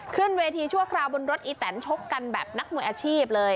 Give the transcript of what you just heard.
ขึ้นเวทีชั่วคราวบนรถอีแตนชกกันแบบนักมวยอาชีพเลย